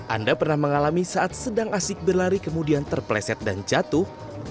anda pernah mengalami saat sedang asik berlari kemudian terpleset dan jatuh